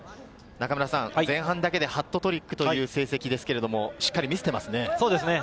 前半だけでハットトリックという成績ですけれども、しっかり見せていますね。